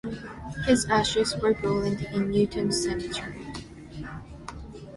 His ashes were buried in Newton's cemetery.